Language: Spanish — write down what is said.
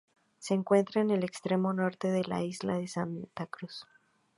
Se encuentra en el extremo norte de las islas de Santa Cruz.